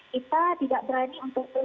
kita tidak berani untuk berani cukup kelelan